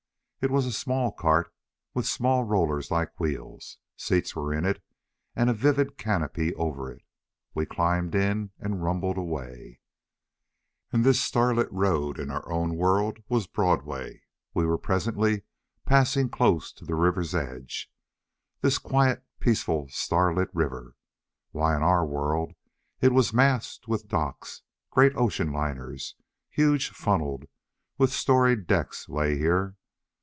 It was a small cart with small rollers like wheels. Seats were in it and a vivid canopy over it. We climbed in and rumbled away. And this starlit road in our own world was Broadway! We were presently passing close to the river's edge. This quiet, peaceful, starlit river! Why, in our world it was massed with docks! Great ocean liners, huge funneled, with storied decks lay here!